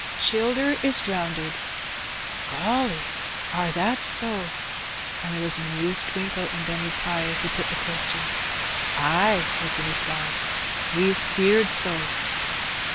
"Childer is drownded." "Golly! are that so?" and there was an amused twinkle in Benny's eye as he put the question. "Ay," was the response; "we's heerd so."